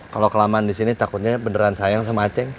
kalau kelamaan disini takutnya beneran sayang sama ceng